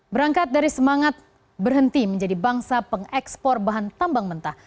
berangkat dari semangat berhenti menjadi bangsa pengekspor bahan tambang mentah